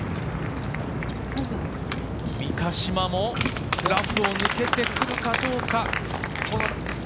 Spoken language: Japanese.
三ヶ島もラフを抜けてくるかどうか。